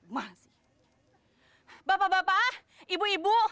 bapak bapak ibu ibu